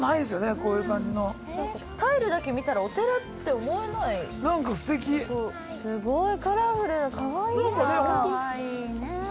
こういう感じのタイルだけ見たらお寺って思えないなんかすてきすごいカラフルかわいいかわいいねえ